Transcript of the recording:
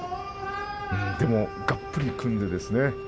がっぷり組んでですね